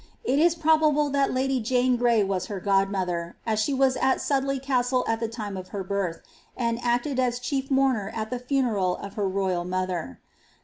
It 18 probable that lady Jane Gray was her godmother, as she was at Sudley Castle at the time of her birth, and acted as chief mourner al the funeral of her royal mother.